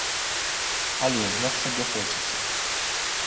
Але, як сабе хочаце.